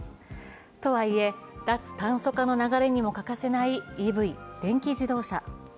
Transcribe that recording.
とはいえ、脱炭素化の流れにも欠かせないＥＶ＝電気自動車。